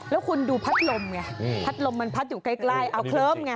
แล้วคุณดูพัดลมไงพัดลมมันพัดอยู่ใกล้เอาเคลิ้มไง